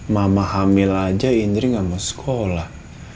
mama hamil aja indri gak mau sekolah